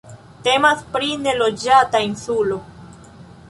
Temas pri neloĝata insulo.